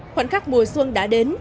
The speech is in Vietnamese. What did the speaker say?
khoảnh khắc mùa xuân đã đến